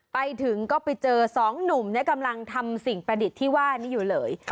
ไปถึงก็ไปเจอสองหนุ่มกำลังทำสิ่งประดิษฐ์ที่ว่านี้อยู่เลย